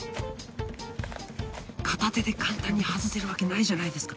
片手で簡単に外せるわけないじゃないですか。